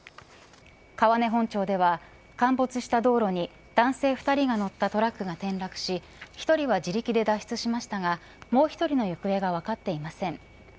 川根本町では陥没した道路に男性２人が乗ったトラックが転落し１人は自力で脱出しましたがもう１人の行方が分かっていません。